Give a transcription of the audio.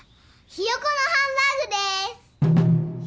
ひよこのハンバーグ！？